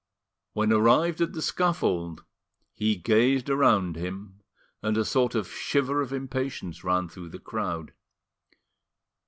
When arrived at the scaffold, he gazed around him, and a sort of shiver of impatience ran through the crowd.